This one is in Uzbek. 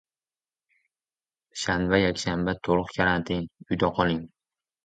Shanba-yakshanba — to‘liq karantin, uyda qoling!